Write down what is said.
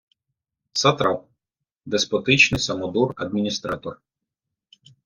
Сатрап — деспотичний самодур-адміністратор